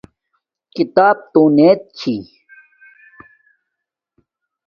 کھتاپ تونیت چھی